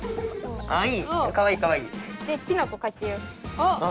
あっ！